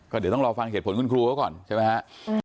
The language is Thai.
เดี๋ยวต้องรอฟังเหตุผลคุณครูเขาก่อนใช่ไหมฮะ